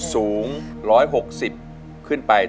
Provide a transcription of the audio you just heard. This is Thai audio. สูง๑๖๐ขึ้นไป